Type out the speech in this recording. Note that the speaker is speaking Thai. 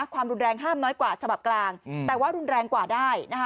ความรุนแรงห้ามน้อยกว่าฉบับกลางแต่ว่ารุนแรงกว่าได้นะคะ